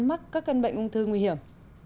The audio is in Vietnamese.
mắc các cân bệnh ung thư nguy hiểm